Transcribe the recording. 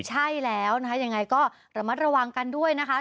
ใช่แล้วนะคะยังไงก็ระมัดระวังกันด้วยนะคะ